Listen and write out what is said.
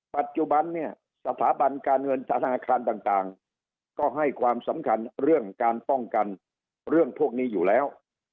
ปัจจุบันเนี่ยสถาบันการเงินธนาคารต่างก็ให้ความสำคัญเรื่องการป้องกันเรื่องพวกนี้อยู่แล้ว